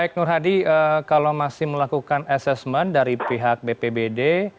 baik nur hadi kalau masih melakukan asesmen dari pihak bpbd